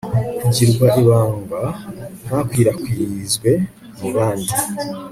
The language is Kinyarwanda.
kugirwa ibanga ntakwirakwizwe mu bandi